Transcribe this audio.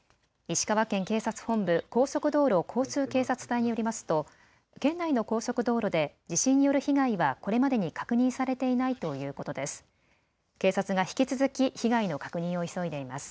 石川県警察本部高速道路交通警察隊によりますと県内の高速道路で地震による被害はこれまでに確認されていないということです。